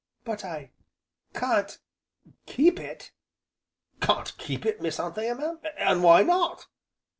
"But I can't keep it!" "Can't keep it, Miss Anthea mam, an' why not?"